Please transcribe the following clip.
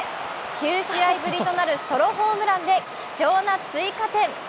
９試合ぶりとなるソロホームランで貴重な追加点。